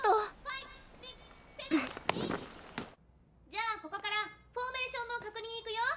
・じゃあここからフォーメーションの確認いくよ！